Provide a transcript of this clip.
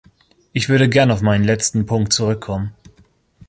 Ich würde gern auf meinen letzten Punkt zurückkommen.